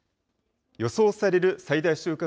予想される最大瞬間